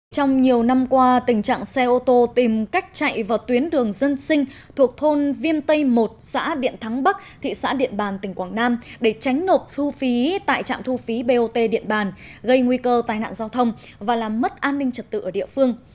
trong nhiều năm qua tình trạng xe ô tô tìm cách chạy vào tuyến đường dân sinh thuộc thôn viêm tây một xã điện thắng bắc thị xã điện bàn tỉnh quảng nam để tránh nộp thu phí tại trạm thu phí bot điện bàn gây nguy cơ tai nạn giao thông và làm mất an ninh trật tự ở địa phương